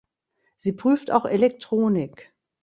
Sie prüft auch Elektronik.